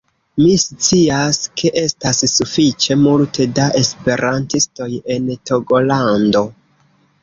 Mi scias, ke estas sufiĉe multe da esperantistoj en Togolando